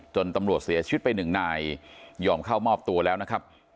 ตำรวจเสียชีวิตไปหนึ่งนายยอมเข้ามอบตัวแล้วนะครับ